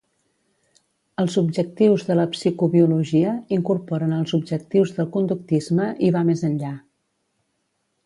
Els objectius de la psicobiologia incorporen els objectius del conductisme i va més enllà.